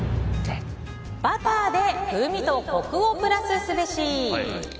バターで風味とコクをプラスすべし。